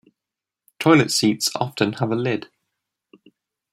Toilet seats often have a lid.